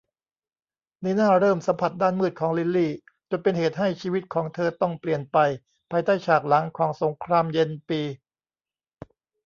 นีน่าเริ่มสัมผัสด้านมืดของลิลลี่ จนเป็นเหตุให้ชีวิตของเธอต้องเปลี่ยนไป ภายใต้ฉากหลังของสงครามเย็นปี